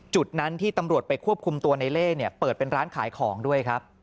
จุดนั้นที่ตำรวจไปควบคุมตัวในเล่เปิดเป็นร้านขายของด้วยครับ